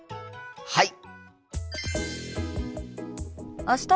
はい！